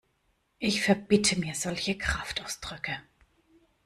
Ich verbitte mir solche Kraftausdrücke!